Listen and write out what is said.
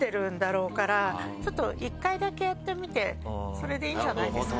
それでいいんじゃないですか。